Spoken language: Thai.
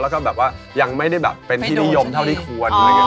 แล้วก็ยังไม่ได้แบบไปโดดอย่างเดิมเป็นที่นิยมเท่าที่ควร